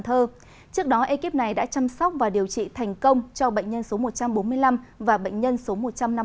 trước đó ekip này đã chăm sóc và điều trị thành công cho bệnh nhân số một trăm bốn mươi năm và bệnh nhân số một trăm năm mươi